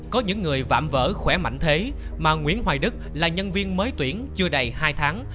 có những người vạm vỡ khỏe mạnh thế mà nguyễn hoài đức là nhân viên mới tuyển chưa đầy hai tháng